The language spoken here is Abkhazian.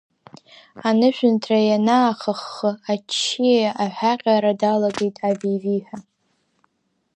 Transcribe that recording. Анышәынҭра ианаахаххы, аччиа аҳәаҟьара далагеит ави-виҳәа.